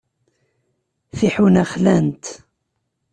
Tiḥuna xlant.